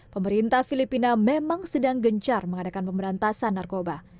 pemerintah filipina memang sedang gencar mengadakan pemberantasan narkoba